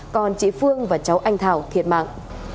còn chị phương và cháu anh thảo thiệt mạng